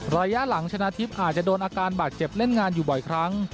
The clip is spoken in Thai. ระยะหลังชนะทิพย์อาจจะโดนอาการบาดเจ็บเล่นงานอยู่บ่อยครั้ง